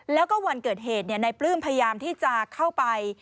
แล้วก็วันเกิดเหตุนายปลื้มพยายามที่จะเข้าไป